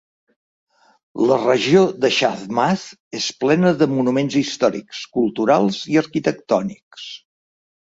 La regió de Xaçmaz és plena de monuments històrics, culturals i arquitectònics.